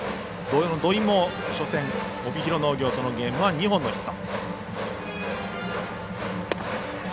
土居も、初戦帯広農業とのゲームは２本のヒット。